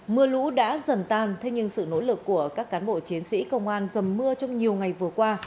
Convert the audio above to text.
mưa lũ đã dần tan thế nhưng sự nỗ lực của các cán bộ chiến sĩ công an dầm mưa trong nhiều ngày vừa qua